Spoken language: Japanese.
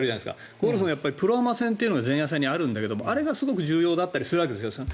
ゴルフのプロアマ戦というのが前夜祭にあるんだけどあれがすごく重要だったりするわけですよ。